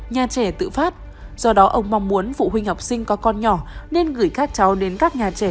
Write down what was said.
nhà trẻ tự phát do đó ông mong muốn phụ huynh học sinh có con nhỏ nên gửi các cháu đến các nhà trẻ